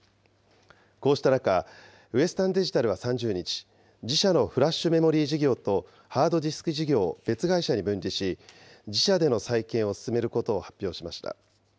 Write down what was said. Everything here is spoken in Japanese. こうした中、ウエスタンデジタルは３０日、自社のフラッシュメモリー事業とハードディスク事業を別会社に分離し、自社での再建を進めることを発表しました。